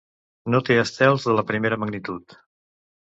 No té estels de la primera magnitud.